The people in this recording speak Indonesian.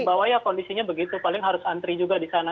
kalau kondisinya begitu paling harus antri juga di sana